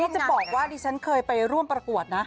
จะบอกว่าดิฉันเคยไปร่วมประกวดนะ